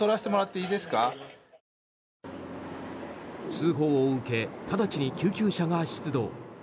通報を受け直ちに救急車が出動。